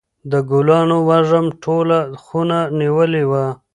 د ګلانو وږم ټوله خونه نیولې وه.